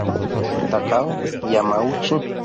Takao Yamauchi